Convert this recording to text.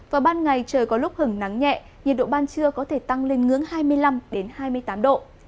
và ban ngày trời có lúc hứng nắng nhẹ nhiệt độ ban trưa có thể tăng lên ngưỡng hai mươi năm hai mươi tám độ